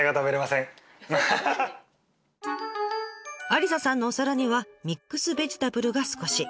ありささんのお皿にはミックスベジタブルが少し。